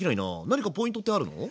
何かポイントってあるの？